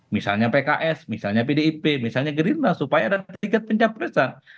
misalnya pks misalnya pdip misalnya gerindra supaya ada tiket pencapresan